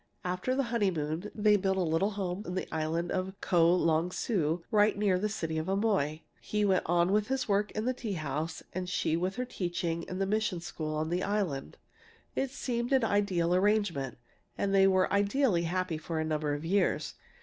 After the honeymoon they built a little home on the island of Ko longsu, right near the city of Amoy. He went on with his work in the tea house, and she with her teaching in the mission school on the island. "It seemed an ideal arrangement, and they were ideally happy for a number of years.